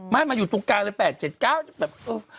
ไม่มันอยู่ตรงกลางเลย๘๗๙แบบ